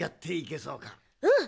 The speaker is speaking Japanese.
うん。